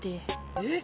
えっ！？